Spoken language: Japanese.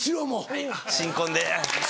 はい新婚で。